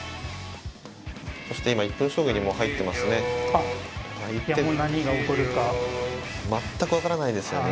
そして今、１分将棋に入ってますね。